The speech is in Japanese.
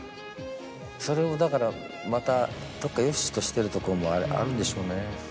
それをだからまたどっか良しとしてるとこもあるんでしょうね。